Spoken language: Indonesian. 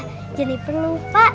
oh iya jennifer lupa papa pinter